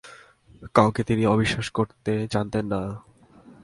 কাউকে তিনি অবিশ্বাস করতে জানতেন না।